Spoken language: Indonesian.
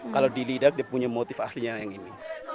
kalau di lidak dia punya motif aslinya yang ini